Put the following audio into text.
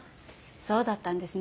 そうだったんですね。